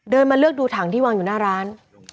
มาเลือกดูถังที่วางอยู่หน้าร้าน